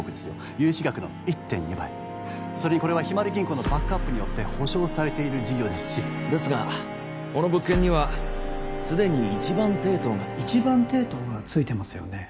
融資額の１．２倍それにこれはひまわり銀行のバックアップによって保障されている事業ですしですがこの物件にはすでに一番抵当が一番抵当がついてますよね